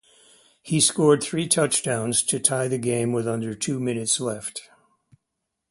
He scored three touchdowns to tie the game with under two minutes left.